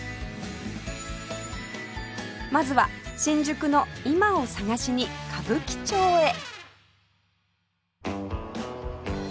まずは新宿の今を探しに歌舞伎町へ